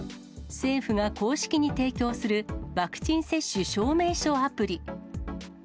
政府が公式に提供する、ワクチン接種証明書アプリ。